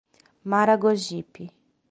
Maragogipe